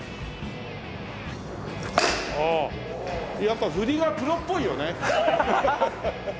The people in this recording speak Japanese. ああやっぱ振りがプロっぽいよね。